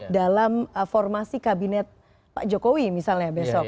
dalam formasi kabinet pak jokowi misalnya besok